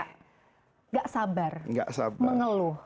tidak sabar mengeluh